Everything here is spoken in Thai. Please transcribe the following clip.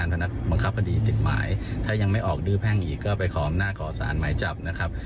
ประกอบที่ติดหมายถ้ายังไม่ออกดื้อแพงอีกก็ไปคอมหน้าก่อสารหมายจับนะครับ